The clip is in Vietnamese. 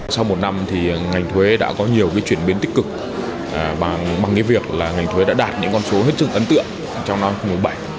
sau một năm thì ngành thuế đã có nhiều chuyển biến tích cực bằng việc là ngành thuế đã đạt những con số hết sức ấn tượng trong năm hai nghìn một mươi bảy